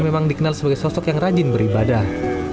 memang dikenal sebagai sosok yang rajin beribadah